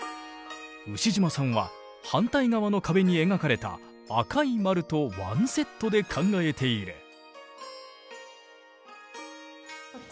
牛島さんは反対側の壁に描かれた赤い丸とワンセットで考えている。